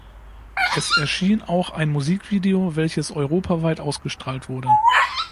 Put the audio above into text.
Es erschien auch ein Musikvideo, welches europaweit ausgestrahlt wurde.